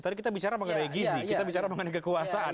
tadi kita bicara mengenai gizi kita bicara mengenai kekuasaan